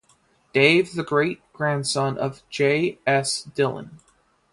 Dave is the great grandson of J. S. Dillon.